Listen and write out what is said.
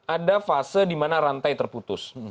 ada fase di mana rantai terputus